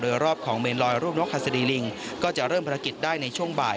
โดยรอบของเมนลอยรูปนกฮัศดีลิงก็จะเริ่มภารกิจได้ในช่วงบ่าย